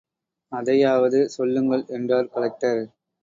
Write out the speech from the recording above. அதையாவது சொல்லுங்கள் என்றார் கலெக்டர்.